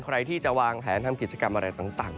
ใครที่จะวางแผนทำกิจกรรมอะไรต่าง